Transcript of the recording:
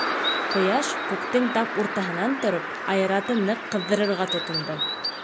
Ҡояш, күктең тап уртаһынан тороп, айырата ныҡ ҡыҙҙырырға тотондо.